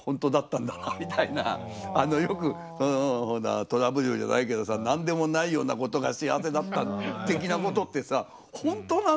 あのよくほら虎舞竜じゃないけどさ何でもないようなことが幸せだった的なことってさ本当なんだよね。